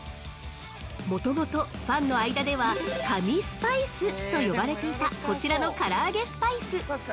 ◆もともと、ファンの間では「神スパイス」と呼ばれていたこちらの「から揚スパイス」。